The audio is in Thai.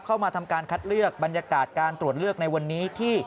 เข้ามาทำการคัดเลือกบรรยากาศการตรวจเลือกในวันนี้ที่